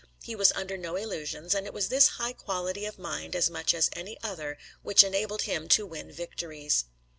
He was under no illusions, and it was this high quality of mind as much as any other which enabled him to win victories.